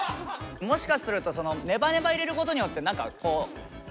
もしかするとネバネバ入れることによって何かこう伸びたりするんですか？